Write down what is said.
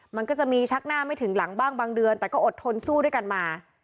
มันก็จะมีชักหน้าไม่ถึงหลังบ้างบางเดือนแต่ก็อดทนสู้ด้วยกันมา